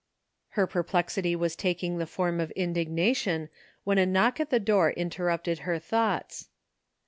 Her perplexity was taking the form of indig nation, when a knock at the door interrupted her thoughts.